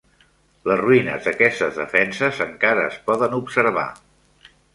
Les ruïnes d'aquestes defenses encara es poden observar.